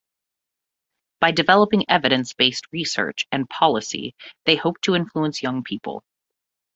By developing evidence based research and policy they hope to influence young people.